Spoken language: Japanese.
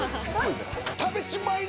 食べちまいな！